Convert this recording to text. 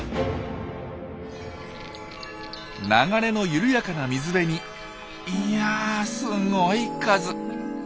流れの緩やかな水辺にいやすごい数。